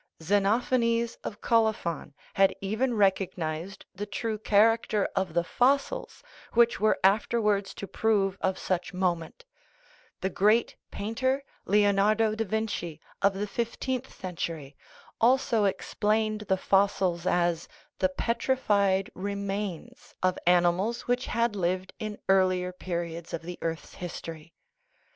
Xenophanes of Colophon had even recognized the true character of the fossils which were afterwards to prove of such moment ; the great painter, Leonardo da Vinci, of the fifteenth century, also explained the fossils as the petrified remains of animals which had lived in earlier periods of the earth's history.